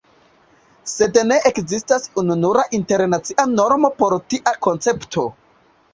Sed ne ekzistas ununura internacia normo por tia koncepto.